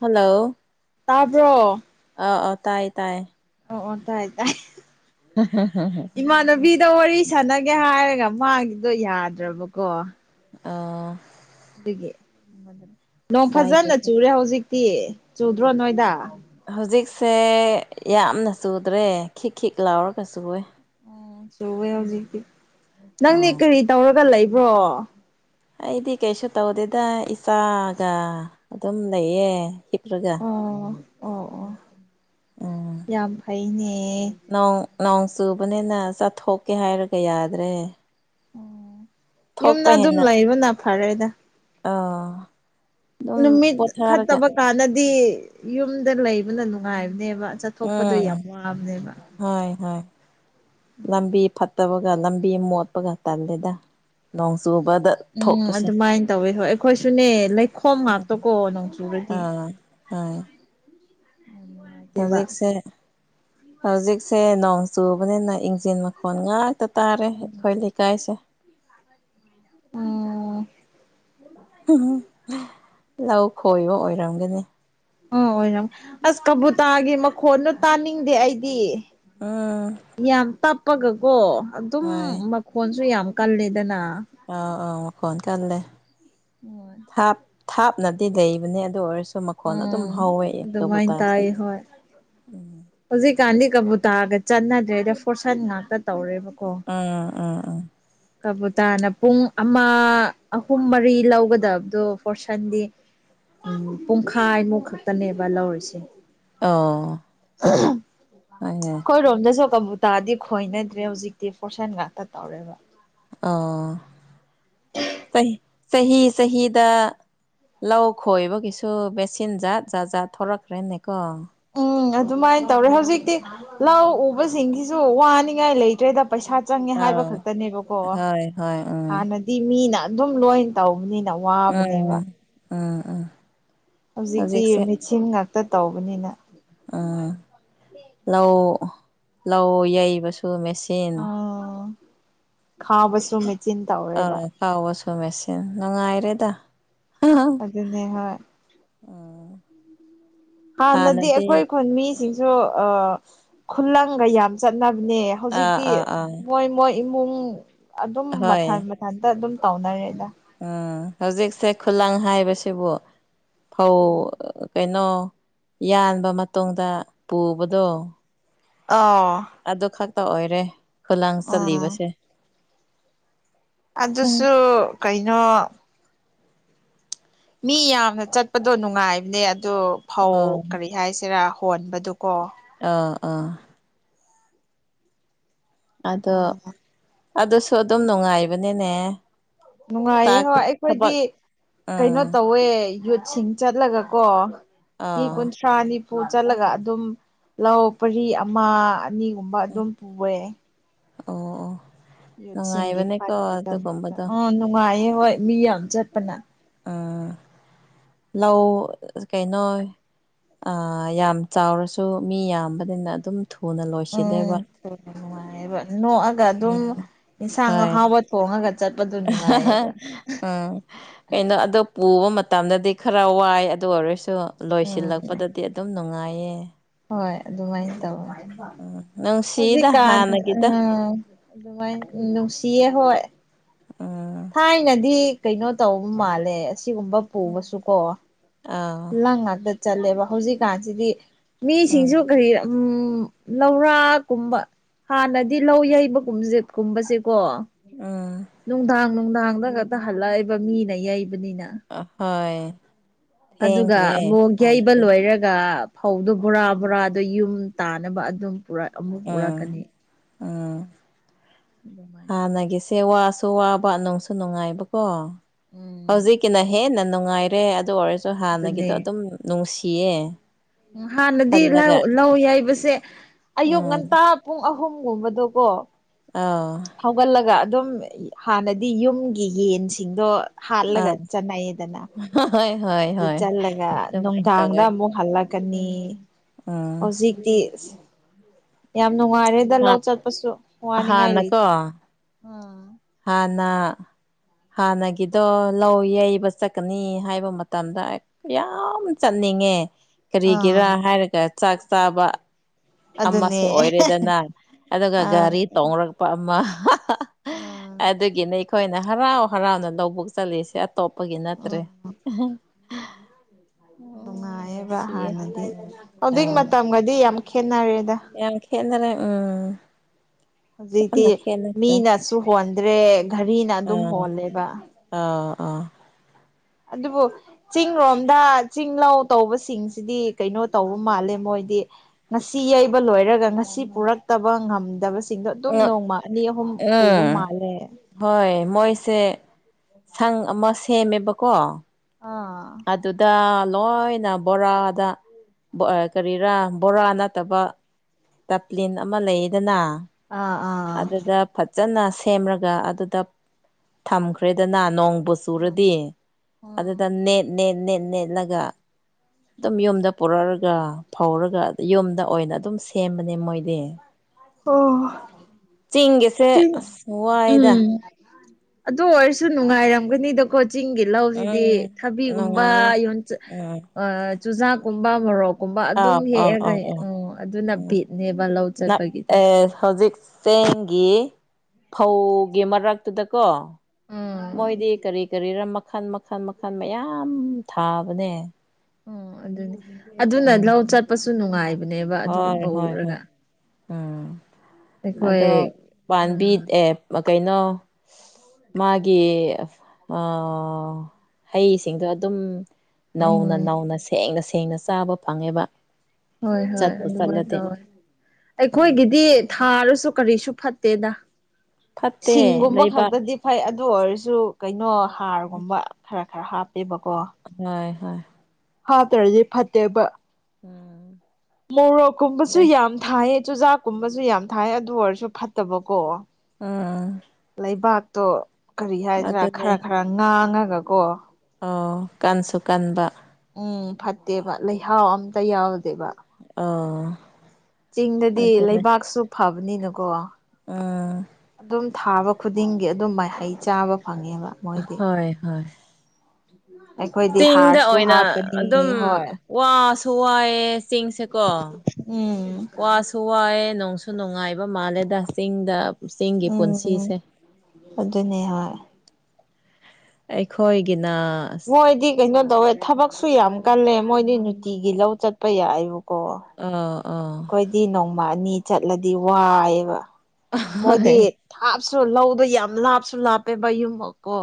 hello ꯇꯥꯕ꯭ꯔꯣ ꯑ ꯑ ꯇꯥꯏ ꯇꯥꯏꯌꯦ ꯑꯣ ꯑꯣ ꯇꯥꯏ ꯇꯥꯏ ꯏꯃꯥꯟꯅꯕꯤꯗ ꯋꯥꯔꯤ ꯁꯥꯟꯅꯒꯦ ꯍꯥꯏꯔꯒ ꯃꯥꯒꯤꯗꯣ ꯌꯥꯗ꯭ꯔꯕꯀꯣ ꯑꯥ ꯑꯗꯨꯒꯤ ꯅꯣꯡ ꯀꯥꯏꯗꯦ ꯐꯖꯅ ꯆꯨꯔꯦ ꯍꯧꯖꯤꯛꯇꯤ ꯆꯨꯗ꯭ꯔꯣ ꯅꯣꯏꯗ ꯍꯧꯖꯤꯛꯁꯦ ꯌꯥꯝꯅ ꯆꯨꯗ꯭ꯔꯦ ꯈꯤꯛ ꯈꯤꯛ ꯂꯥꯎꯔꯒ ꯆꯨꯦ ꯎ ꯆꯨꯋꯦ ꯍꯧꯖꯤꯛꯇꯤ ꯅꯪꯅꯦ ꯑꯥ ꯀꯔꯤ ꯇꯧꯔꯒ ꯂꯩꯕ꯭ꯔꯣ ꯑꯩꯗꯤ ꯀꯩꯁꯨ ꯇꯧꯗꯦꯗ ꯏꯆꯥꯒ ꯑꯗꯨꯝ ꯂꯩꯌꯦ ꯍꯤꯞ꯭ꯔꯒ ꯑꯣ ꯑꯣ ꯑꯣ ꯎꯝ ꯌꯥꯝ ꯐꯩꯅꯦ ꯅꯣꯡ ꯅꯣꯡ ꯆꯨꯕꯅꯤꯅ ꯆꯠꯊꯣꯛꯀꯦ ꯍꯥꯏꯔꯒ ꯌꯥꯗ꯭ꯔꯦ ꯑꯣ ꯌꯨꯝꯗ ꯊꯣꯛꯄ ꯑꯗꯨꯝ ꯍꯦꯟꯅ ꯂꯩꯕꯅ ꯐꯔꯦꯗ ꯑꯥ ꯑꯗꯨꯝ ꯅꯨꯃꯤꯠ ꯄꯣꯊꯥꯔꯒ ꯐꯠꯇꯕ ꯀꯥꯟꯗ ꯗꯤ ꯌꯨꯝꯗ ꯂꯩꯕꯅ ꯅꯨꯡꯉꯥꯏꯕꯅꯦꯕ ꯆꯠꯊꯣꯛꯄꯗꯣ ꯎꯝ ꯌꯥꯝ ꯋꯥꯕꯅꯦꯕ ꯍꯣꯏ ꯍꯣꯏ ꯂꯝꯕꯤ ꯐꯠꯇꯕꯒ ꯂꯝꯕꯤ ꯃꯣꯠꯄꯒ ꯇꯜꯂꯦꯗ ꯅꯣꯡ ꯆꯨꯕꯗ ꯎꯝ ꯊꯣꯛꯄꯁꯦ ꯑꯗꯨꯃꯥꯏꯅ ꯇꯧꯋꯦ ꯍꯣꯏ ꯑꯩꯈꯣꯏꯁꯨꯅꯦ ꯂꯩꯈꯣꯝ ꯎꯝ ꯉꯥꯛꯇꯀꯣ ꯅꯣꯡꯆꯨꯔꯗꯤ ꯑꯥ ꯍꯣꯏ ꯅꯨꯡꯉꯥꯏꯇꯦꯕ ꯍꯧꯖꯤꯛꯁꯦ ꯍꯧꯖꯤꯛꯁꯦ ꯅꯣꯡ ꯆꯨꯕꯅꯤꯅ ꯏꯟꯖꯤꯟ ꯃꯈꯣꯟ ꯉꯥꯛ ꯇ ꯇꯥꯔꯦ ꯎꯝ ꯑꯩꯈꯣꯏ ꯂꯩꯀꯥꯏꯁꯦ ꯎꯝ [unintelligible] ꯂꯧ ꯈꯣꯏꯕ ꯑꯣꯏꯔꯝꯒꯅꯤ ꯑꯣ ꯑꯣꯏꯔꯝ ꯑꯁ ꯀꯕꯨꯇꯥꯒꯤ ꯃꯈꯣꯟꯗꯣ ꯇꯥꯅꯤꯡꯗꯦ ꯑꯩꯗꯤ ꯎꯝ ꯌꯥꯝ ꯇꯞꯄꯒꯀꯣ ꯑꯗꯨꯝ ꯍꯣꯏ ꯃꯈꯣꯟꯁꯨ ꯌꯥꯝ ꯀꯜꯂꯦꯗꯅ ꯑꯥꯎ ꯑꯥꯎ ꯃꯈꯣꯟ ꯀꯜꯂꯦ ꯍꯣꯏ ꯊꯥꯞ ꯊꯥꯞꯅꯗꯤ ꯂꯩꯕꯅꯦ ꯑꯗꯨ ꯑꯣꯏꯔꯁꯨ ꯃꯈꯣꯟ ꯑꯗꯨꯝ ꯎꯝ ꯍꯧꯋꯦ ꯑꯗꯨꯃꯥꯏꯅ ꯀꯕꯨꯨꯇꯥꯁꯦ ꯇꯥꯏ ꯍꯣꯏ ꯍꯧꯖꯤꯛꯀꯥꯟꯗꯤ ꯀꯕꯨꯇꯥꯒ ꯆꯠꯅꯗ꯭ꯔꯦꯗ ꯐꯣꯔꯁꯟ ꯉꯥꯛꯇ ꯇꯧꯔꯦꯕꯀꯣ ꯎꯝ ꯎꯝ ꯎꯝ ꯀꯕꯨꯇꯥꯅ ꯄꯨꯡ ꯑꯃ ꯑꯍꯨꯝ ꯃꯔꯤ ꯂꯧꯒꯗꯕꯗꯣ ꯐꯣꯔꯁꯟꯗꯤ ꯎꯝ ꯄꯨꯡꯈꯥꯏꯃꯨꯛ ꯈꯛꯇꯅꯦꯕ ꯂꯧꯔꯤꯁꯦ ꯑꯣ ꯍꯣꯏꯅꯦ [unintelligible] ꯈꯣꯏꯔꯣꯝꯗꯁꯣ ꯀꯕꯨꯨ ꯇꯥꯗꯤ ꯈꯣꯏꯅꯗ꯭ꯔꯦ ꯍꯧꯖꯤꯛꯇꯤ ꯐꯣꯔꯁꯟ ꯉꯥꯛꯇ ꯇꯧꯔꯦꯕ ꯑ ꯆꯍꯤ ꯆꯍꯤꯗ ꯂꯧ ꯈꯣꯏꯕꯒꯤꯁꯨ ꯃꯦꯆꯤꯟ ꯖꯥꯠ ꯖꯥꯠ ꯖꯥꯠ ꯊꯣꯔꯛꯈ꯭ꯔꯦꯅꯦꯀꯣ ꯎꯝ ꯑꯗꯨꯃꯥꯏꯅ ꯇꯧꯔꯦ ꯍꯧꯖꯤꯛꯇꯤ ꯂꯧ ꯎꯕꯁꯤꯡꯒꯤꯁꯤꯁꯨ ꯋꯥꯅꯤꯡꯉꯥꯏ ꯂꯩꯇ꯭ꯔꯦꯗ ꯄꯩꯁꯥ ꯆꯪꯉꯦ ꯍꯥꯏꯕ ꯑꯥꯎ ꯈꯛꯇꯅꯦꯕꯀꯣ ꯍꯣꯏ ꯍꯣꯏ ꯎꯝ ꯍꯥꯟꯅꯗꯤ ꯗꯤ ꯃꯤꯅ ꯑꯗꯨꯝ ꯂꯣꯏꯅ ꯇꯧꯕꯅꯤꯅ ꯋꯥꯕꯅꯦꯕ ꯎꯝ ꯎꯝ ꯍꯧꯖꯤꯛꯇꯤ ꯃꯦꯆꯤꯟ ꯉꯥꯛꯇ ꯇꯧꯕꯅꯤꯅ ꯎꯝ ꯂꯧ ꯂꯧ ꯌꯩꯕꯁꯨ ꯃꯦꯆ ꯑꯥ ꯈꯥꯎꯕꯁꯨ ꯃꯦꯆꯤꯟ ꯑꯥ ꯇꯧꯔꯦꯕ ꯈꯥꯎꯕꯁꯨ ꯃꯦꯆꯤꯟ ꯅꯨꯡꯉꯥꯏꯔꯦꯗ ꯑꯗꯨꯅꯦ ꯍꯣꯏ ꯑꯝ ꯍꯥꯟꯅꯗꯤ ꯑꯩꯈꯣꯏ ꯈꯨꯟ ꯃꯤꯁꯤꯡꯁꯨ ꯑ ꯈꯨꯂꯪꯒ ꯌꯥꯝ ꯆꯠꯅꯕꯅꯦ ꯑꯥ ꯍꯧꯖꯤꯛꯇꯤ ꯑꯥ ꯑꯥ ꯃꯣꯏ ꯃꯣꯏ ꯏꯃꯨꯡ ꯑꯗꯨꯝ ꯍꯣꯏ ꯃꯊ ꯊꯟꯇ ꯑꯗꯨꯝ ꯇꯧꯅꯔꯦꯗ ꯎꯝ ꯍꯧꯖꯤꯛꯁꯦ ꯈꯨꯂꯪ ꯍꯥꯏꯕꯁꯤꯕꯨ ꯐꯧ ꯀꯩꯅꯣ ꯌꯥꯟꯕ ꯃꯇꯨꯡꯗ ꯄꯨꯕꯗꯣ ꯑꯣ ꯑꯗꯨ ꯈꯛꯇ ꯑꯣꯏꯔꯦ ꯈꯨꯂꯥꯡ ꯎꯝ ꯆꯠꯂꯤꯕꯁꯦ ꯑꯗꯨꯁꯨ ꯀꯩꯅꯣ ꯃꯤ ꯌꯥꯝꯅ ꯆꯠꯄꯗꯣ ꯅꯨꯡꯉꯥꯏꯕꯅꯦ ꯑꯗꯨ ꯐꯧ ꯑꯣ ꯀꯔꯤ ꯍꯥꯏꯁꯤꯔꯥ ꯍꯣꯟꯕꯗꯨꯀꯣ ꯑꯥ ꯑꯥ ꯑꯗꯣ ꯎꯝ ꯑꯗꯨꯁꯨ ꯑꯗꯨꯝ ꯅꯨꯡꯉꯥꯏꯕꯅꯤꯅꯦ ꯅꯨꯡꯉꯥꯏꯌꯦ ꯆꯥꯛ ꯍꯣꯏ ꯑꯩꯈꯣꯏꯗꯤ ꯊꯕꯛ ꯀꯩꯅꯣ ꯑꯥ ꯇꯧꯋꯦ ꯌꯨꯠꯁꯤꯡ ꯆꯠꯂꯒ ꯀꯣ ꯃꯤ ꯑꯥ ꯀꯨꯟꯊ꯭ꯔꯥꯅꯤ ꯄꯨꯨ ꯆꯠꯂꯒ ꯑꯗꯨꯝ ꯂꯧ ꯄꯔꯤ ꯑꯃ ꯑꯅꯤꯒꯨꯝꯕ ꯑꯗꯨꯝ ꯄꯨꯕꯦ ꯑꯣ ꯑꯣ ꯌꯨꯠꯁꯤꯡꯒꯤ ꯅꯨꯡꯉꯥꯏꯕꯅꯦꯀꯣ ꯐꯠꯗꯃꯛꯇ ꯑꯗꯨꯒꯨꯝꯕꯗꯣ ꯑꯥ ꯅꯨꯡꯉꯥꯏꯌꯦ ꯍꯣꯏ ꯃꯤ ꯌꯥꯝ ꯆꯠꯄꯅ [unintelligible] ꯂ ꯀꯩꯩꯅꯣ ꯌꯥꯝ ꯆꯥꯎꯔꯁꯨ ꯃꯤ ꯌꯥꯝꯕꯅꯤꯅ ꯑꯗꯨꯝ ꯊꯨꯅ ꯎꯝ ꯂꯣꯏꯁꯤꯜꯂꯦꯕ ꯊꯨꯅ ꯅꯨꯡꯉꯥꯏꯌꯦꯕ ꯍꯣꯏ ꯐꯣꯉꯒ ꯆꯠꯄ ꯑꯗꯨ [unintelligible] ꯎꯝ ꯀꯩꯅꯣ ꯑꯗꯣ ꯄꯨꯕ ꯃꯇꯝꯗꯗꯤ ꯈꯔ ꯋꯥꯏ ꯑꯗꯨ ꯑꯣꯏꯔꯁꯨ ꯎꯝ ꯂꯣꯏꯁꯤꯜꯂꯛꯄꯗꯗꯤ ꯑꯗꯨꯝ ꯅꯨꯡꯉꯥꯏꯌꯦ ꯍꯣꯏ ꯑꯗꯨꯃꯥꯏꯅ ꯇꯧꯅꯤ ꯎꯝ ꯅꯨꯡꯁꯤꯗ ꯍꯧꯖꯤꯛꯀꯥꯟ ꯍꯥꯟꯅꯒꯤꯗꯣ ꯎ ꯑꯗꯨꯃꯥꯏꯅ ꯅꯨꯡꯁꯤꯌꯦ ꯍꯣꯏ ꯑꯣ ꯊꯥꯏꯅꯗꯤ ꯀꯩꯅꯣ ꯇꯧꯕ ꯃꯥꯜꯂꯦ ꯑꯁꯤꯒꯨꯝꯕ ꯄꯨꯕꯁꯨꯀꯣ ꯑꯥ ꯈꯨꯂꯥꯡ ꯉꯥꯛꯇ ꯆꯠꯂꯦꯕ ꯍꯧꯖꯤꯛꯀꯥꯟꯁꯤꯗꯤ ꯃꯤꯁꯤꯡꯁꯨ ꯎꯝ ꯀꯔꯤ ꯎꯝ ꯂꯧꯔꯥꯛꯒꯨꯝꯕ ꯍꯥꯟꯅꯗꯤ ꯂꯧ ꯌꯩꯕ ꯀꯨꯝꯠ ꯀꯨꯝꯕꯁꯦꯀꯣ ꯑ ꯅꯨꯡꯗꯥꯡ ꯅꯨꯡꯗꯥꯡꯗ ꯉꯛꯇ ꯍꯜꯂꯛꯏꯕ ꯃꯤꯅ ꯌꯩꯕꯅꯤꯅ ꯍꯣꯏ ꯑꯗꯨꯒ ꯊꯦꯡꯈ꯭ꯔꯦ ꯑꯃꯨꯛ ꯌꯩꯕ ꯍꯥꯟꯅꯗꯤ ꯂꯣꯏꯔꯒ ꯐꯧꯗꯣ ꯕꯣꯔꯥ ꯕꯣꯔꯥꯗꯣ ꯌꯨꯝ ꯇꯥꯅꯕ ꯑꯗꯨꯝ ꯑꯃꯨꯛ ꯎꯝ ꯄꯨꯔꯛꯀꯅꯤ ꯎꯝ [unintelligible] ꯍꯥꯟꯅꯒꯤꯁꯦ ꯋꯥꯁꯨ ꯋꯥꯕ ꯅꯨꯡꯁꯨ ꯅꯨꯡꯉꯥꯏꯕꯀꯣ ꯎꯝ ꯍꯧꯖꯤꯛꯀꯤꯅ ꯍꯦꯟꯅ ꯅꯨꯡꯉꯥꯏꯔꯦ ꯑꯗꯨ ꯑꯣꯏꯔꯁꯨ ꯑꯗꯨꯅꯦ ꯍꯥꯟꯅꯒꯤꯗꯣ ꯑꯗꯨꯝ ꯅꯨꯡꯁꯤꯌꯦ ꯎ ꯍꯥꯟꯅꯗꯤ ꯈꯜꯂꯒ ꯂꯧ ꯍꯥꯏꯕꯁꯦ ꯑꯌꯨꯛ ꯎꯝ ꯉꯟꯇꯥ ꯄꯨꯡ ꯑꯍꯨꯝꯒꯨꯝꯕꯗꯣꯀꯣ ꯑꯥ ꯍꯧꯒꯠꯂꯒ ꯑꯗꯨꯝ ꯍꯥꯟꯅꯗꯤ ꯌꯨꯝꯒꯤ ꯌꯦꯟꯁꯤꯡꯗꯣ ꯍꯥꯜꯂꯒꯠ ꯆꯅꯥ ꯌꯦꯗꯅ ꯍ ꯍꯣꯏ ꯍꯣꯏ ꯑꯗꯨ ꯍꯣꯏ ꯆꯠꯂꯒ ꯑꯗꯨꯃꯥꯏꯅ ꯅꯨꯡꯗꯥꯡꯗ ꯇꯧꯋꯦ ꯑꯃꯨꯛ ꯍꯜꯂꯛꯀꯅꯤ ꯎꯝ ꯍꯧꯖꯤꯛꯇꯤ ꯌꯥꯝ ꯅꯨꯡꯉꯥꯏꯔꯦꯗ ꯂꯧ ꯆꯠꯄꯁꯨ ꯋꯥꯅꯤꯡꯉꯥꯏ ꯂꯩꯇ꯭ꯔꯦ ꯎ ꯍꯅ ꯍꯥꯟꯅꯒꯤꯗꯣ ꯂꯧ ꯌꯩꯕ ꯆꯠꯀꯅꯤ ꯍꯥꯏꯕ ꯃꯇꯝꯗ ꯌꯥꯝ ꯆꯠꯅꯤꯡꯉꯦ ꯀꯔꯤꯒꯤꯔꯥ ꯑꯥ ꯍꯥꯏꯔꯒ ꯆꯥꯛ ꯆꯥꯕ ꯑꯗꯨꯅꯦ ꯑꯃꯁꯨ ꯑꯣꯏꯔꯦꯗꯅ ꯑꯗꯨꯒꯒ ꯑꯥ ꯒꯥꯔꯤ ꯇꯣꯡꯡꯂꯛꯄ ꯑꯃ ꯑꯥ ꯑꯗꯨꯒꯤꯅꯤ ꯑꯩꯈꯣꯏꯅ ꯍꯔꯥꯎ ꯍꯔꯥꯎꯅ ꯂꯧꯕꯛ ꯆꯠꯂꯤꯁꯦ ꯑꯇꯣꯞꯄꯒꯤ ꯅꯠꯇ꯭ꯔꯦ ꯎꯝ ꯅꯨꯡꯉꯥꯏꯑꯕ ꯅꯨꯡꯁꯤꯌꯦ ꯍꯥꯟꯅꯗꯤ ꯎꯝ ꯍꯧꯖꯤꯛ ꯑꯥ ꯃꯇꯝꯒꯗꯤ ꯌꯥꯝ ꯈꯦꯠꯅꯔꯦꯗ ꯌꯥꯝ ꯈꯦꯠꯅꯔꯦ ꯎꯝ ꯍꯧꯖꯤꯛꯇꯤ ꯌꯥꯝꯅ ꯈꯦꯠꯅꯈ꯭ꯔꯦ ꯃꯤꯅꯁꯨ ꯍꯣꯟꯗ꯭ꯔꯦ ꯘꯔꯤꯅ ꯑꯗꯨꯝ ꯑꯥ ꯍꯣꯜꯂꯦꯕ ꯑꯥ ꯑꯥ ꯑꯗꯨꯕꯨꯣ ꯆꯤꯡꯔꯣꯝꯗ ꯆꯤꯡ ꯂꯧꯧ ꯇꯧꯕꯁꯤꯡꯁꯤꯗꯤ ꯀꯩꯅꯣ ꯇꯧꯕ ꯃꯥꯜꯂꯦ ꯃꯣꯏꯗꯤ ꯉꯁꯤ ꯌꯩꯕ ꯂꯣꯏꯔꯒ ꯉꯁꯤ ꯄꯨꯔꯛꯇꯕ ꯉꯝꯗꯕ ꯤꯡꯗꯣ ꯑꯗꯨꯝ ꯅꯣꯡꯃ ꯑꯅꯤ ꯑꯍꯨꯝ ꯄꯨꯕ ꯎꯝ ꯃꯥꯜꯂꯦ ꯍꯣꯏ ꯃꯣꯏꯁꯦ ꯁꯪ ꯑꯃ ꯁꯦꯝꯃꯦꯕꯀꯣ ꯑꯥ ꯑꯗꯨꯗ ꯂꯣꯏꯅ ꯕꯣꯔꯥꯗ ꯀꯔꯤꯔꯥ ꯕꯣꯔꯥ ꯅꯠꯇꯕ ꯇꯞꯂꯤꯟ ꯑꯃ ꯂꯩꯗꯅ ꯑꯥ ꯑꯗꯨꯗ ꯐꯖꯅ ꯁꯦꯝꯔꯒ ꯑꯗꯨꯗ ꯊꯝꯈ꯭ꯔꯦꯗꯅ ꯅꯣꯡꯕꯨ ꯁꯨꯔꯗꯤ ꯑꯥ ꯑꯗꯨꯗ ꯅꯦꯠ ꯅꯦꯠ ꯅꯦꯠ ꯅꯦꯠꯂꯒ ꯑꯗꯨꯝ ꯌꯨꯝꯗ ꯄꯨꯔꯛꯑꯒ ꯐꯧꯔꯒ ꯌꯨꯝꯗ ꯑꯣꯏꯅ ꯑꯗꯨꯝ ꯁꯦꯝꯕꯅꯦ ꯃꯣꯏꯗꯤ ꯑꯣ ꯆꯤꯡꯒꯁꯦ ꯆꯤꯡ ꯑꯁ ꯋꯥꯏꯗ ꯎꯝ ꯑꯗꯨ ꯑꯣꯏꯔꯁꯨ ꯅꯨꯡꯉꯥꯏꯔꯝꯒꯅꯤ ꯀꯣꯆꯤꯡꯒꯤ ꯂꯧꯁꯤꯗꯤ ꯎꯝ ꯊꯕꯤꯒꯨꯝꯕ ꯅꯨꯡꯉꯥꯏꯌꯦ ꯌ ꯎꯝ ꯆꯨꯖꯥ ꯀꯣꯕ ꯃꯔꯣꯔꯑꯣ ꯀꯨꯝꯕ ꯑꯗꯨꯝ ꯑꯥꯎ ꯑꯥꯎ ꯍꯦꯛꯑꯒ ꯑꯥꯎ ꯑꯥꯎ ꯑꯣ ꯑꯗꯨꯅ ꯎꯝ ꯤꯠꯅꯦꯕ ꯂꯧ ꯅꯞ ꯆꯠꯄꯒꯤꯗ ꯑꯦ ꯍꯧꯖꯤꯛ ꯆꯦꯡꯒꯤ ꯐꯧꯒꯤ ꯃꯔꯛꯇꯨꯗꯀꯣ ꯎꯝ ꯃꯣꯏꯗꯤ ꯀꯔꯤ ꯀꯔꯤꯔꯥ ꯃꯈꯜ ꯃꯈꯜ ꯃꯈꯜ ꯃꯌꯥꯝ ꯊꯥꯕꯅꯦ ꯑꯣ ꯑꯗꯨꯅꯤ ꯑꯗꯨꯅ ꯎꯝ ꯂꯧ ꯆꯠꯄꯁꯨ ꯅꯨꯡꯉꯥꯏꯕꯅꯦꯕ ꯍꯣꯏ ꯑꯗꯨꯒꯨꯝꯕ ꯍꯣꯏ ꯍꯣꯏ ꯎꯔꯒ ꯎꯝ ꯑꯩꯈꯣꯏ ꯑꯗꯣ ꯄꯥꯝꯕꯤ ꯎꯝ ꯑꯦ ꯀꯩꯅꯣ ꯃꯥꯒꯤ ꯍꯩꯁꯤꯡꯗꯣ ꯑꯗꯨꯝ ꯅꯧꯅ ꯎꯝ ꯅꯧꯅ ꯁꯦꯡꯅ ꯁꯦꯡꯅ ꯆꯥꯕ ꯐꯪꯉꯦꯕ ꯍꯣꯏ ꯍꯣꯏ ꯆꯠꯄꯨ ꯑꯗꯨꯃꯥꯏꯅ ꯆꯠꯂꯗꯤ ꯇꯧꯋꯦ ꯎꯝ ꯑꯩꯈꯣꯏꯒꯤꯗꯤ ꯊꯥꯔꯁꯨ ꯀꯔꯤꯁꯨ ꯐꯠꯇꯦꯗ ꯐꯠꯇꯦ ꯁꯤꯡꯒꯨꯝꯕ ꯂꯩꯕꯥꯛ ꯈꯛꯇꯗꯤ ꯐꯩ ꯑꯗꯨ ꯑꯣꯏꯔꯁꯨ ꯀꯩꯅꯣ ꯍꯥꯔꯒꯨꯝꯕ ꯈꯔ ꯈꯔ ꯍꯥꯞꯄꯦꯕꯀꯣ ꯍꯣꯏ ꯍꯣꯏ ꯍꯥꯞꯇꯔꯗꯤ ꯐꯠꯇꯦꯕ ꯎꯝ ꯃꯣꯔꯣꯛꯀꯨꯝꯕꯁꯨ ꯌꯥꯝ ꯊꯥꯏꯌꯦ ꯆꯨꯖꯥꯛꯀꯨꯝꯕꯁꯨ ꯌꯥꯝ ꯊꯥꯏ ꯑꯗꯨ ꯑꯣꯏꯔꯁꯨ ꯐꯠꯇꯕꯀꯣ ꯑꯥ ꯂꯩꯕꯥꯛꯇꯣ ꯀꯔꯤ ꯍꯥꯏꯗ꯭ꯔꯥ ꯑꯗꯨꯅꯦ ꯈꯔ ꯈꯔ ꯉꯥꯡꯉꯒꯀꯣ ꯑꯣ ꯀꯟꯁꯨ ꯀꯟꯕ ꯎꯝ ꯐꯠꯇꯦꯕ ꯂꯩꯍꯥꯎ ꯑꯝꯇ ꯌꯥꯎꯗꯦꯕ ꯑ ꯆꯤꯡꯗꯗꯤ ꯂꯩꯕꯥꯛꯁꯨ ꯐꯕꯅꯤꯅꯀꯣ ꯎꯝ ꯑꯗꯨꯝ ꯊꯥꯕ ꯈꯨꯗꯤꯡꯒꯤ ꯑꯗꯨꯝ ꯃꯍꯩ ꯆꯥꯕ ꯐꯪꯉꯦꯕ ꯍꯣꯏ ꯍꯣꯏ ꯑꯩꯈꯣꯏ ꯆꯤꯡꯗ ꯑꯣꯏꯅ ꯑꯗꯨꯝ ꯋꯥꯁꯨ ꯋꯥꯏꯑꯦ ꯆꯤꯡꯁꯦꯀꯣ ꯑꯣ ꯋꯥꯁꯨ ꯋꯥꯏꯑꯦ ꯅꯅꯨꯡꯁꯨ ꯅꯨꯡꯉꯥꯏꯕ ꯃꯥꯜꯂꯦꯗ ꯆꯤꯡꯗ ꯆꯤꯡꯒꯤ ꯎꯝ ꯄꯨꯟꯁꯤꯁꯦ ꯑꯗꯨꯅꯦ ꯍꯣꯏ ꯑꯩꯈꯣꯏꯒꯤꯅ ꯑꯁ ꯃꯣꯏꯗꯤ ꯀꯩꯅꯣ ꯇꯧꯋꯦ ꯊꯕꯛꯁꯨ ꯌꯥꯝ ꯀꯜꯂꯦ ꯃꯣꯏꯗꯤ ꯅꯨꯡꯇꯤꯒꯤ ꯂꯧ ꯆꯠꯄ ꯌꯥꯏꯕ ꯀ ꯑꯥ ꯑꯥ ꯑꯩꯈꯣꯏꯗꯤ ꯅꯣꯡꯃ ꯑꯅꯤ ꯆꯠꯂꯗꯤ ꯋꯥꯏꯑꯕ ꯍꯣꯏ ꯃꯣꯏꯗꯤ ꯊꯥꯞꯁꯨ ꯂꯧꯗꯣ ꯌꯥꯝ ꯂꯥꯞꯁꯨ ꯂꯥꯞꯄꯦ ꯃ ꯌꯨꯝꯃꯛ ꯀꯣ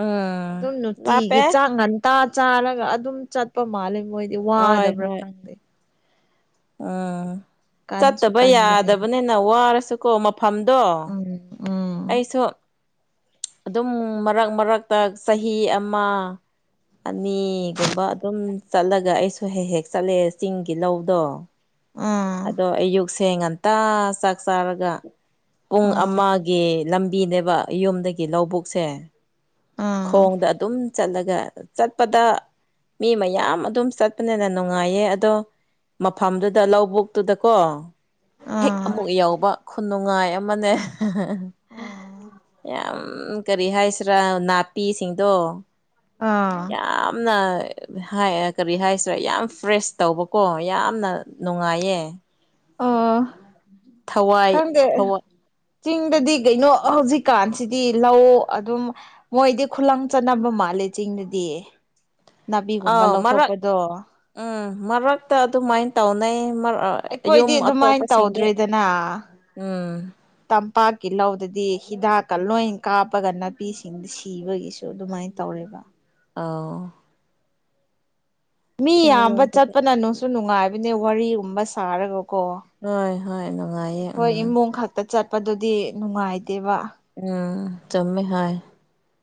ꯎꯝ ꯑꯗꯨꯝ ꯂꯥꯞꯄꯦ ꯅꯨꯡꯇꯤꯒꯤ ꯆꯥꯡ ꯉꯟꯇꯥ ꯆꯥꯔꯒ ꯑꯗꯨꯝ ꯆꯠꯄ ꯃꯥꯜꯂꯦ ꯃꯣꯏ ꯍꯣꯏ ꯋꯥꯗꯕ꯭ꯔꯥ ꯍꯣꯏ ꯈꯪꯗꯦ ꯎꯝ ꯀꯟꯁꯨ ꯆꯠꯇꯕ ꯀꯟꯕꯅꯦꯕ ꯌꯥꯗꯕꯅꯤꯅ ꯋꯥꯔꯁꯨꯀꯣ ꯃꯐꯝꯗꯣ ꯎꯝ ꯎꯝ ꯑꯩꯁꯨ ꯑꯗꯨꯝ ꯃꯔꯛ ꯃꯔꯛꯇ ꯆꯍꯤ ꯑꯃ ꯑꯅꯤꯒꯨꯝꯕ ꯑꯗꯨꯝ ꯆꯠꯂꯒ ꯑꯩꯁꯨ ꯍꯦꯛ ꯍꯦꯛ ꯆꯠꯂꯦ ꯆꯤꯡꯒꯤ ꯂꯧꯗꯣ ꯎꯝ ꯑꯗꯣ ꯑꯌꯨꯛꯁꯦ ꯉꯟꯇ ꯆꯥꯛ ꯆꯥꯔꯒ ꯄꯨꯡ ꯑꯃꯒꯤ ꯂꯝꯕꯤꯅꯦꯕ ꯌꯨꯝꯗꯒꯤ ꯂꯧꯕꯨꯛꯁꯦ ꯎꯝ ꯎꯝ ꯈꯣꯡꯗ ꯑꯗꯨꯝ ꯆꯠꯂꯒ ꯆꯠꯄꯗ ꯃꯤ ꯃꯌꯥꯝ ꯑꯗꯨꯝ ꯆꯠꯄꯅꯤꯅ ꯅꯨꯡꯉꯥꯏꯌꯦ ꯑꯗꯣ ꯃꯐꯝꯗꯨꯗ ꯂꯧꯕꯨꯛ ꯇꯨꯗꯀꯣ ꯍꯦꯛ ꯎꯝ ꯑꯃꯨꯛ ꯌꯕ ꯈꯨꯅꯨꯡꯉꯥꯏ ꯑꯃꯅꯦ ꯎꯝ ꯌꯥꯝ ꯀꯔꯤ ꯍꯥꯏꯁꯤꯔꯥ ꯅꯥꯄꯤꯁꯤꯡꯗꯣ ꯑꯥ ꯌꯥꯝꯅ ꯀꯔꯤ ꯍꯥꯏꯁꯤꯔꯦ ꯌꯥꯝ ꯐ꯭ꯔꯦꯁ ꯇꯧꯕꯀꯣ ꯌꯥꯝꯅ ꯅꯨꯡꯉꯥꯏꯌꯦ ꯑ ꯊꯋꯥꯏ ꯀꯪꯒꯦ ꯊꯋꯥꯏ ꯆꯤꯡꯗꯗꯤ ꯀꯩꯅꯣ ꯍꯧꯖꯤꯛꯀꯥꯟꯁꯤꯗꯤ ꯂꯧ ꯑꯗꯨꯝ ꯃꯣꯏꯗꯤ ꯈꯨꯂꯪ ꯆꯠꯅꯕ ꯃꯥꯜꯂꯦ ꯆꯤꯡꯗꯗꯤ ꯅꯥꯕꯤꯒꯨꯝꯕ ꯑꯥꯎ ꯃꯔꯛ ꯂꯧꯊꯣꯛꯄꯗꯣ ꯎꯝ ꯃꯔꯛꯇ ꯑꯗꯨꯃꯥꯏꯅ ꯇꯧꯅꯩ ꯃꯔꯛ ꯑꯩꯈꯣꯏꯗꯤ ꯑꯗꯨꯃꯥꯏꯅ ꯇꯧꯗ꯭ꯔꯦꯗꯅ ꯎꯝ ꯇꯝꯄꯥꯛꯀꯤ ꯂꯧꯗꯗꯤ ꯍꯤꯗꯥꯛꯀ ꯂꯣꯏ ꯀꯥꯞꯄꯒ ꯅꯥꯄꯤꯁꯤꯡ ꯁꯤꯕꯒꯤꯁꯨ ꯑꯗꯨꯃꯥꯏꯅ ꯇꯧꯔꯦꯕ ꯑꯥꯎ ꯃꯤ ꯌꯥꯝꯕ ꯆꯤꯡꯔꯣꯝꯗꯗꯤ ꯆꯠꯄꯅ ꯅꯨꯡꯁꯨ ꯅꯨꯡꯉꯥꯏꯕꯅꯦ ꯋꯥꯔꯤꯒꯨꯝꯕ ꯁꯥꯔꯒꯀꯣ ꯍꯣꯏ ꯍꯣꯏ ꯅꯨꯡꯉꯥꯏꯌꯦ ꯑꯩꯈꯣꯏ ꯎꯝ ꯏꯃꯨꯡ ꯈꯛꯇ ꯆꯠꯄꯗꯨꯗꯤ ꯅꯨꯡꯉꯥꯏꯇꯦꯕ ꯎꯝ ꯆꯃꯦ ꯍꯥꯏ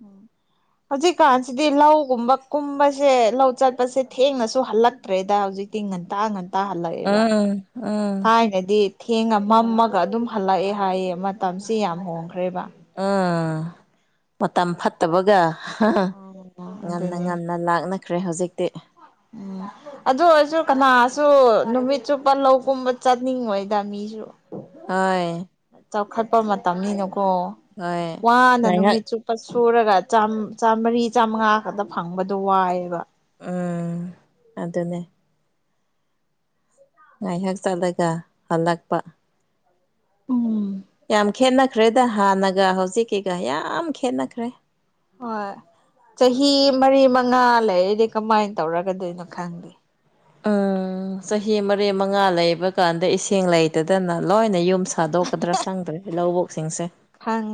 ꯎꯝ ꯍꯧꯖꯤꯛꯀꯥꯟꯁꯤꯗꯤ ꯂꯧꯒꯨꯝꯕ ꯀꯨꯝꯕꯁꯦ ꯂꯧ ꯆꯠꯄꯁꯦ ꯊꯦꯡꯅꯁꯨ ꯍꯜꯂꯛ ꯅꯠꯇ꯭ꯔꯦꯗ ꯍꯧꯖꯤꯛꯇꯤ ꯉꯟꯇꯥ ꯉꯟꯇꯥ ꯍꯜꯂꯛꯑꯦꯕ ꯎꯝ ꯎꯝ ꯊꯥꯏꯅꯗꯤ ꯊꯦꯡꯉ ꯃꯝꯃꯒ ꯑꯗꯨꯝ ꯍꯜꯂꯛꯑꯦ ꯍꯥꯏꯌꯦ ꯃꯇꯝꯁꯦ ꯌꯥꯝ ꯍꯣꯡꯈ꯭ꯔꯦꯕ ꯎꯝ ꯃꯇꯝ ꯐꯠꯇꯕꯒ ꯑꯣ ꯉꯟꯅ ꯑꯗꯨꯅꯦ ꯉꯟꯅ ꯅ ꯂꯥꯛꯅꯈ꯭ꯔꯦ ꯍꯧꯖꯤꯛꯇꯤ ꯎꯝ ꯑꯗꯨ ꯑꯣꯏꯔꯁꯨ ꯀꯅꯥꯁꯨ ꯅꯨꯃꯤꯠ ꯆꯨꯞꯄ ꯂꯧꯒꯨꯝꯕ ꯆꯠꯅꯤꯡꯉꯣꯏꯗ ꯃꯤꯁꯨ ꯍ ꯆꯥꯎꯈꯠꯄ ꯃꯇꯝꯅꯤꯅꯀꯣ ꯍꯣꯏ ꯋꯥꯅ ꯉꯥꯏꯍꯥꯛ ꯅꯨꯃꯤꯠ ꯆꯨꯞ ꯂꯨ ꯁꯨꯔꯒ ꯆꯥꯝꯃꯔꯤ ꯆꯥꯝꯃꯉꯥ ꯈꯛꯇ ꯐꯪꯕꯗꯣ ꯋꯥꯏꯑꯦꯕ ꯎꯝ ꯑꯗꯨꯅꯦ ꯉꯥꯏꯍꯥꯛ ꯆꯠꯂꯒ ꯍꯜꯂꯛꯄ ꯎꯝ ꯌꯥꯝ ꯈꯦꯠꯅꯈ꯭ꯔꯦꯗ ꯍꯥꯟꯅꯒ ꯍꯧꯖꯤꯛꯀꯤꯒ ꯌꯥꯝ ꯈꯦꯠꯅꯈ꯭ꯔꯦ ꯍꯣꯏ ꯆꯍꯤ ꯃꯔꯤ ꯃꯉꯥ ꯂꯩꯔꯤꯗꯤ ꯀꯃꯥꯏꯅ ꯇꯧꯔꯒꯗꯣꯏꯅꯣ ꯈꯪꯗꯦ ꯎꯝ ꯆꯍꯤ ꯃꯔꯤ ꯃꯉꯥ ꯂꯩꯕ ꯀꯥꯟꯗ ꯏꯁꯤꯡ ꯂꯩꯇꯗꯅ ꯂꯣꯏꯅ ꯌꯨꯝ ꯁꯥ ꯇꯣꯛꯀꯗ꯭ꯔꯥ ꯈꯪꯗ꯭ꯔꯦ ꯂꯧꯕ ꯀꯛꯆꯤꯡꯁꯦ ꯍꯪ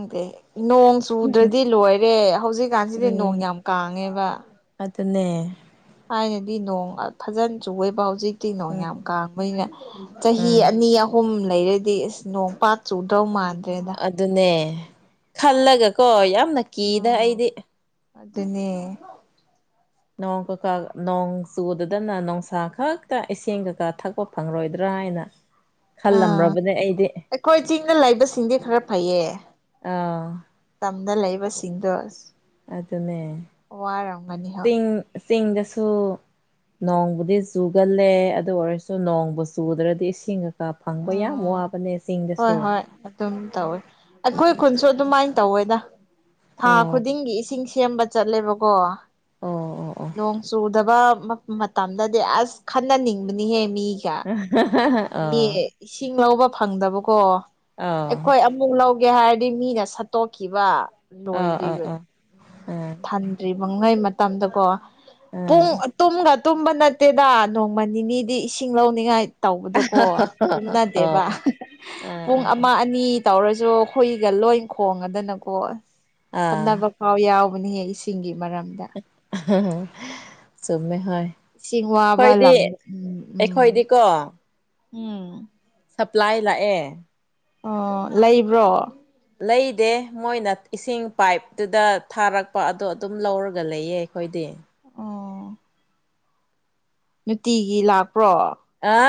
ꯅꯣꯡ ꯆꯨꯗ꯭ꯔꯗꯤ ꯂꯣꯏꯔꯦ ꯍꯧꯖꯤꯛꯀꯥꯟꯁꯤꯗꯤ ꯅꯣꯡ ꯌꯥꯝ ꯀꯥꯡꯥꯡꯉꯦꯕ ꯑꯗꯨ ꯑꯗꯨꯅꯦ ꯊꯥꯏꯅꯗꯤ ꯅꯣꯡ ꯐꯥꯖꯟ ꯆꯨꯋꯦꯕ ꯍꯧꯖꯤꯛ ꯇꯤꯅꯣ ꯌꯥꯝ ꯎꯝ ꯀꯕꯅꯤꯅ ꯆꯍꯤ ꯎꯝ ꯑꯅꯤ ꯑꯍꯨꯝ ꯍꯍꯨꯝ ꯂꯩꯔꯗꯤ ꯑꯁ ꯅꯣꯡ ꯄꯥꯠ ꯆꯨꯗ꯭ꯔꯧ ꯃꯥꯟꯗ꯭ꯔꯦꯗ ꯑꯗꯨꯅꯦ ꯈꯜꯂꯒꯀꯣ ꯌꯥꯝꯅ ꯀꯤꯗꯥ ꯑꯣ ꯑꯩꯗꯤ ꯑꯗꯨꯅꯦ ꯅꯣꯡ ꯀꯀꯥ [inaudible] ꯅꯣꯡ ꯆꯨꯗꯗꯅ ꯅꯨꯡꯁꯥ ꯈꯛꯇ ꯏꯦꯡ ꯀꯩꯀꯥ ꯊꯛꯄ ꯐꯪꯂꯔꯣꯏꯗ꯭ꯔꯥ ꯍꯥꯏꯅ [inaudible] ꯑꯥ ꯈꯜꯂꯝꯔꯕꯅꯦ ꯑꯩꯗꯤ ꯑꯩꯈꯣꯏ ꯆꯤꯡꯗ ꯂꯩꯕꯁꯤꯡꯗꯤ ꯈꯔ ꯐꯩꯌꯦ ꯑꯥ ꯇꯝꯗ ꯂꯩꯕꯁꯤꯡꯗꯣ ꯑꯗꯨꯅꯦ ꯋꯥꯔꯝꯒꯅꯤ ꯍꯣꯏ ꯆꯤꯡ ꯆꯤꯡꯗꯁꯨ ꯅꯣꯡꯕꯨꯗꯤ ꯆꯨꯒꯜꯂꯦ ꯑꯗꯨ ꯑꯣꯏꯔꯁꯨ ꯅꯣꯡꯕꯨ ꯆꯨꯗ꯭ꯔꯗꯤ ꯏꯁꯤꯡꯒ ꯐꯪꯕ ꯌꯥꯝ ꯎꯝ ꯋꯥꯕꯅꯦ ꯍꯣꯏ ꯆꯤꯡꯗꯁꯨ ꯍꯣꯏ ꯑꯗꯨꯝ ꯇꯧꯋꯤ ꯑꯩꯈꯣꯏ ꯈꯨꯟꯁꯨ ꯑꯗꯨꯃꯥꯏꯅ ꯇꯧꯋꯦꯗ ꯊꯥ ꯑꯣ ꯈꯨꯗꯤꯡꯒꯤ ꯏꯁꯤꯡꯁꯤ ꯁꯦꯝꯕ ꯆꯠꯂꯦꯕꯀꯣ ꯑꯣ ꯑꯣ ꯅꯣꯡ ꯆꯨꯗꯕꯥ ꯃꯇꯝꯗꯗꯤ ꯑꯁ ꯈꯟꯅꯅꯤꯡꯕꯅꯤꯍꯦ ꯃꯤ ꯀꯌꯥ ꯃꯤ ꯑꯣ ꯏꯁꯤꯡ ꯂꯧꯕ ꯐꯪꯗꯕꯀꯣ ꯑꯣ ꯑꯩꯈꯣꯏ ꯑꯃꯨꯛ ꯂꯧꯒꯦ ꯍꯥꯏꯔꯗꯤ ꯃꯤꯅ ꯁꯠꯇꯣꯛꯈꯤꯕ ꯑꯣ ꯑꯣ ꯑꯣ ꯑꯣ ꯑꯥ ꯑꯥ ꯂꯣꯏꯗ꯭ꯣꯏꯔꯤꯕ ꯎ [inaudible] ꯊꯟꯗ꯭ꯔꯤꯕꯉꯩ ꯃꯇꯝꯗꯀꯣ ꯄꯨꯡ ꯇꯨꯝꯒ ꯇꯨꯝꯕ ꯅꯠꯇꯦꯗ ꯅꯣꯡꯃ ꯅꯤꯅꯤꯗꯤ ꯏꯁꯤꯡ ꯂꯧꯅꯤꯡꯉꯥꯏ ꯇꯧꯕꯗꯣꯀꯣ ꯑꯥ ꯀꯨꯝꯅꯗꯦꯕ ꯑꯥ ꯄꯨꯡ ꯑꯥ ꯑꯃ ꯑꯅꯤ ꯇꯧꯔꯁꯨ ꯍꯨꯏꯒ ꯂꯣꯏ ꯈꯣꯡꯉꯗꯅꯀꯣ ꯑꯥ ꯈꯟꯕ ꯄꯥꯎ ꯌꯥꯎꯕꯅꯦꯍꯦ ꯏꯁꯤꯡꯒꯤ ꯃꯔꯝꯗ ꯆꯃꯦꯃꯦ ꯍ [unintelligible] ꯁꯤꯁꯤꯡ ꯋꯥꯕ ꯂꯝ ꯎꯝ ꯑꯩꯈꯣꯏꯗꯤꯀꯣ ꯎꯝ ꯁꯄ꯭ꯂꯥꯏ ꯂꯥꯛꯑꯦ ꯑꯣ ꯂꯩꯕ꯭ꯔꯣ ꯂꯩꯗꯦ ꯃꯣꯏꯅ ꯏꯁꯤꯡ ꯄꯥꯏꯞꯇꯨꯗ ꯊꯥꯔꯛꯄ ꯑꯗꯣ ꯑꯗꯨꯝ ꯂꯧꯔꯒ ꯂꯩꯌꯦ ꯑꯩꯈꯣꯏꯗꯤ ꯑꯣ ꯅꯨꯡꯇꯤꯒꯤ ꯂꯥꯛꯄ꯭ꯔꯣ ꯑ [inaudible]